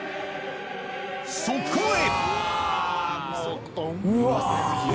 そこへ！